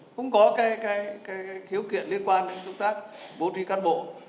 không có cái khiếu kiện liên quan đến công tác bố trí cán bộ